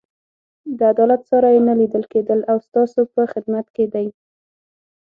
د عدالت ساری یې نه لیدل کېږي او ستاسو په خدمت کې دی.